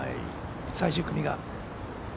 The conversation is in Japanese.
最終組が。